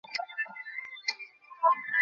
চলে গেছে ও।